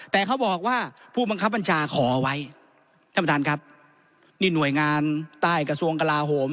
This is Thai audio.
แต่เขาบอกว่าผู้บังคับบัญชาขอไว้ท่านประธานครับนี่หน่วยงานใต้กระทรวงกลาโหม